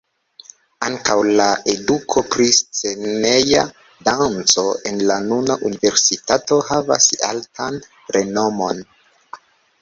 Ankaŭ la eduko pri sceneja danco en la nuna universitato havas altan renomon.